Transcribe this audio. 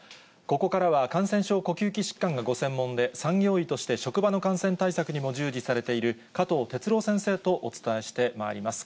ここからは、感染症、呼吸器疾患がご専門で、産業医として職場の感染対策にも従事されている、加藤哲朗先生とお伝えしてまいります。